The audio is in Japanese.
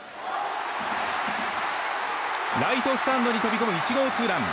ライトスタンドに飛び込む１号ツーラン。